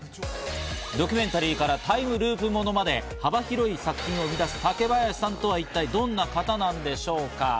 ドキュメンタリーからタイムループものまで幅広い作品を生み出す竹林さんとは一体どんな方なんでしょうか？